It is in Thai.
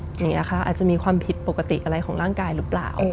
อย่างนี้ค่ะอาจจะมีความผิดปกติอะไรของร่างกายหรือเปล่า